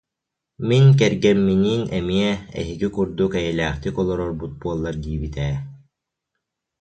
Мин кэргэмминиин эмиэ эһиги курдук эйэлээхтик олорорбут буоллар диибит ээ